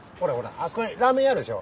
あそこにラーメン屋あるでしょ。